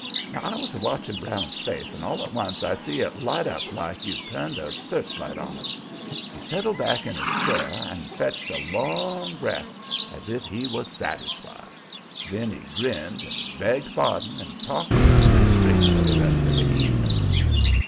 Now I was watching Brown's face, and all at once I see it light up like you'd turned a searchlight on it. He settled back in his chair and fetched a long breath as if he was satisfied. Then he grinned and begged pardon and talked a blue streak for the rest of the evening.